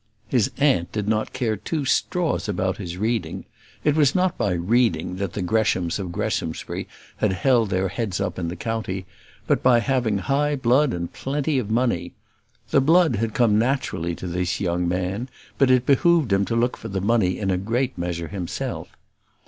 His aunt did not care two straws about his reading. It was not by reading that the Greshams of Greshamsbury had held their heads up in the county, but by having high blood and plenty of money. The blood had come naturally to this young man; but it behoved him to look for the money in a great measure himself.